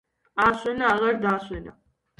აასვენა აღარ დაასვენა